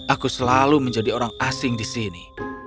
aku selalu menjadi orang asing di sini